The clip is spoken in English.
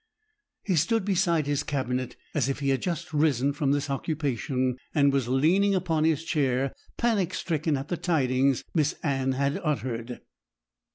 He stood beside his cabinet as if he had just risen from this occupation, and was leaning upon his chair, panic stricken at the tidings Miss Anne had uttered.